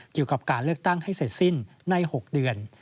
เกี่ยวกับการเลือกตั้งให้เสร็จสิ้นใน๖เดือน